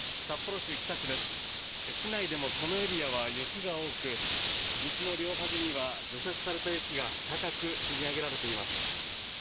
市内でもこのエリアは雪が多く道の両端には除雪された雪が高く積み上げられています。